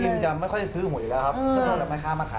อิ่มจะไม่ค่อยซื้อหวยแล้วครับ